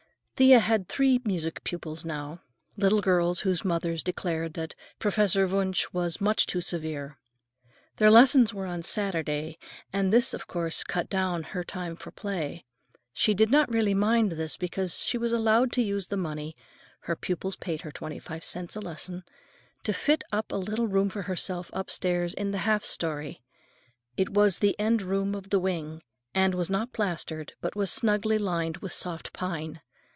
Thea had three music pupils now, little girls whose mothers declared that Professor Wunsch was "much too severe." They took their lessons on Saturday, and this, of course, cut down her time for play. She did not really mind this because she was allowed to use the money—her pupils paid her twenty five cents a lesson—to fit up a little room for herself upstairs in the half story. It was the end room of the wing, and was not plastered, but was snugly lined with soft pine.